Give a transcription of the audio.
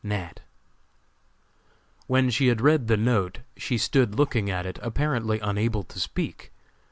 NAT." When she had read the note she stood looking at it, apparently unable to speak.